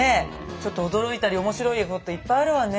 ちょっと驚いたり面白いこといっぱいあるわね。